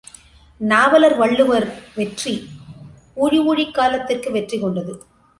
நாவலர் வள்ளுவர் வெற்றி ஊழி ஊழிக் காலத்திற்கு வெற்றி கொண்டது.